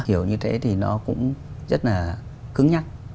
hiểu như thế thì nó cũng rất là cứng nhắc